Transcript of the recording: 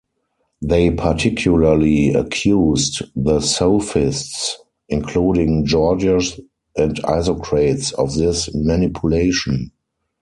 They particularly accused the sophists, including Gorgias and Isocrates, of this manipulation.